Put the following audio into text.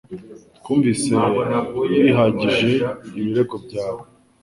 Twumvise bihagije ibirego byawe